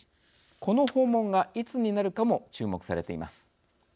この訪問がいつになるかも注目されています。